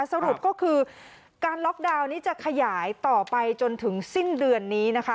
สรุปก็คือการล็อกดาวน์นี้จะขยายต่อไปจนถึงสิ้นเดือนนี้นะคะ